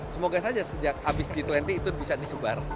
semoga saja sejak habis g dua puluh itu bisa disebar